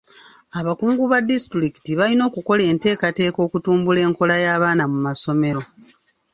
Abakungu ba disitulikiti balina okukola enteekateeka okutumbula enkola y'abaana mu masomero.